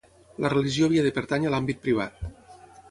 La religió havia de pertànyer a l’àmbit privat.